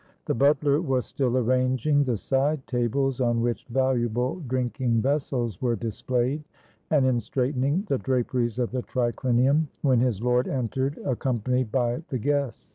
The butler was still arranging the side tables, on which valuable drink ing vessels were displayed, and in straightening the draperies of the trichnium, when his lord entered, ac companied by the guests.